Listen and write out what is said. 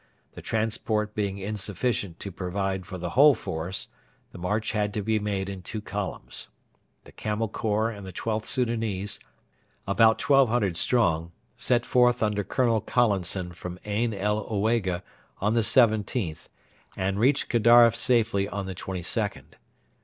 The transport being insufficient to provide for the whole force, the march had to be made in two columns. The Camel Corps and the XIIth Soudanese, about 1,200 strong, set forth under Colonel Collinson from Ain el Owega on the 17th, and reached Gedaref safely on the 22nd.